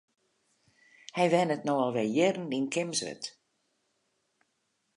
Hy wennet no al wer jierren yn Kimswert.